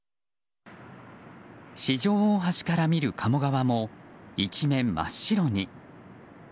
四条大橋から見る鴨川も一面真っ白に。